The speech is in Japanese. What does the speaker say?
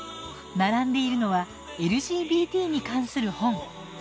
並んでいるのはＬＧＢＴに関する本。